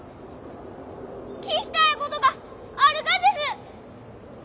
聞きたいことがあるがです！